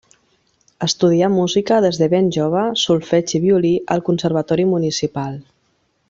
Estudià música des de ben jove solfeig i violí al conservatori municipal.